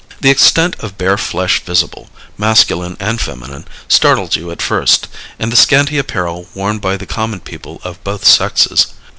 The extent of bare flesh visible masculine and feminine startles you at first, and the scanty apparel worn by the common people of both sexes.